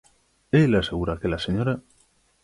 Él asegura que la Sra.